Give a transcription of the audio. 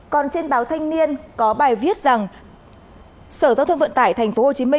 còn trên báo thanh niên có bài viết rằng sở giao thông vận tải tp hcm